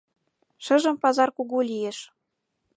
Шыжым пазар кугу лиеш.